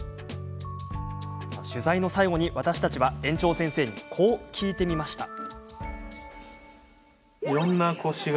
取材の最後に私たちは園長先生にこう聞いてみました。